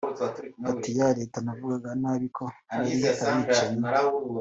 ati ya Leta navugaga nabi ko ari abicanyi